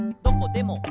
「どこでも」